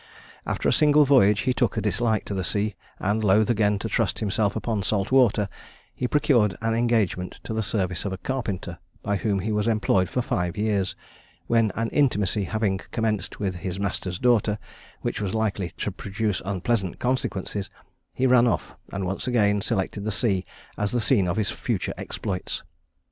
After a single voyage, he took a dislike to the sea, and, loath again to trust himself upon salt water, he procured an engagement in the service of a carpenter, by whom he was employed for five years, when an intimacy having commenced with his master's daughter which was likely to produce unpleasant consequences, he ran off, and once again selected the sea as the scene of his future exploits.